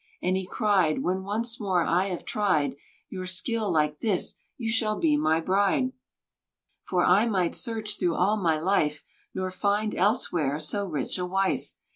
And he cried, "When once more I have tried Your skill like this, you shall be my bride; For I might search through all my life Nor find elsewhere so rich a wife."